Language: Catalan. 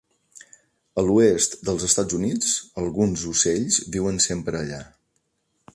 A l'oest dels Estats Units, alguns ocells viuen sempre allà.